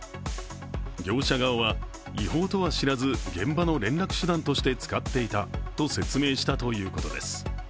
業者側は、違法とは知らず、現場の連絡手段として使っていたと説明したということです。